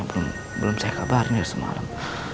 belum saya kabar ini semalam